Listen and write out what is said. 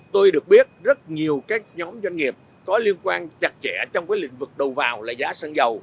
tôi được biết rất nhiều các nhóm doanh nghiệp có liên quan chặt chẽ trong cái lĩnh vực đầu vào là giá xăng dầu